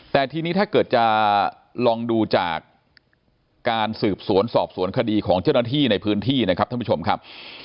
แต่ทีนี้ถ้าเกิดจะลองดูจากการสืบสวนสอบสวนคดีของเจ้าหน้าที่ในพื้นที่นะครับท่านผู้ชมครับ